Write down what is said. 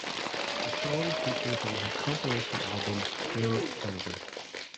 The song features on his compilation album "Dermot Kennedy".